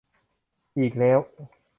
อีกแล้ว -_